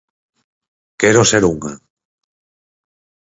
Quero ser unha.